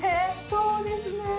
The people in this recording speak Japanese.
そうですね。